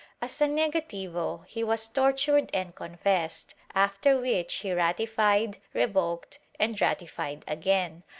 As a negativo, he was tortured and confessed, after which he ratified, revoked and ratified again.